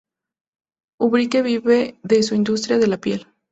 Ubrique vive de su industria de la piel.